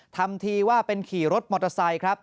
ทำทีว่าเป็นขี่รถมอเตอร์ไซค์ครับ